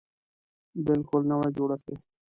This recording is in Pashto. بلکل نوی جوړښت دی.